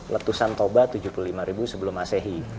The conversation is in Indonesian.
letusan toba tujuh puluh lima ribu sebelum masehi